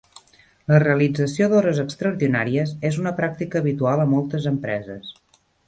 La realització d'hores extraordinàries és una pràctica habitual a moltes empreses.